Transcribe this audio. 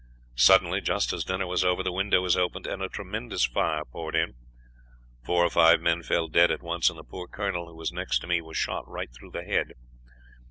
Suddenly, just as dinner was over, the window was opened, and a tremendous fire poured in. Four or five men fell dead at once, and the poor colonel, who was next to me, was shot right through the head.